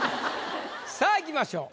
さあいきましょう。